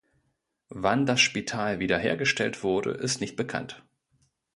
Wann das Spital wiederhergestellt wurde, ist nicht bekannt.